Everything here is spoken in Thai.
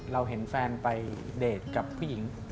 เราเห็นแฟนไปเดทกับผู้หญิง